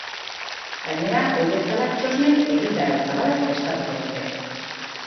Gainera, ohi bezala, txosnek egitarau zabala prestatuko dute.